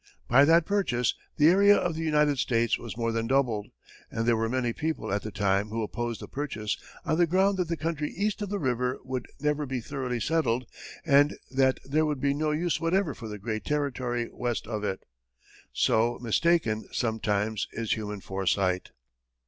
By that purchase, the area of the United States was more than doubled; but there were many people at the time who opposed the purchase on the ground that the country east of the river would never be thoroughly settled and that there would be no use whatever for the great territory west of it. So mistaken, sometimes, is human foresight!